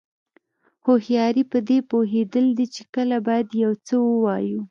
هوښیاري پدې پوهېدل دي چې کله باید یو څه ووایو.